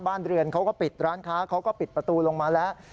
บ้านเรือนเขาก็ปิดร้านค้าเขาก็ปิดประตูลงมาแล้ว